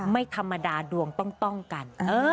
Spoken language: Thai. ไม่ธรรมดาดวงต้องกัน